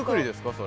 それ。